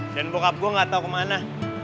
dan bokap gue gak tau kemana